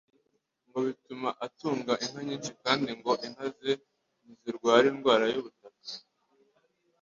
ngo bituma atunga inka nyinshi, kandi ngo inka ze ntizirwara indwara y’ubutaka